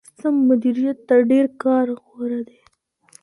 سم مديريت تر ډېر کار غوره دی.